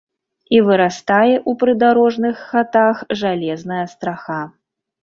І вырастае ў прыдарожных хатах жалезная страха.